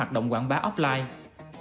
các hoạt động quảng bá offline